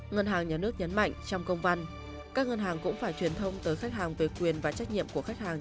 ngân hàng nhà nước nhấn mạnh trong công văn các ngân hàng cũng phải truyền thông tới khách hàng về quyền và trách nhiệm của khách hàng